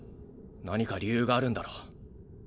何か理由があるんだろ。